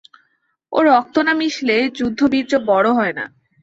ও রক্ত না মিশলে যুদ্ধবীর্য বড় হয় না।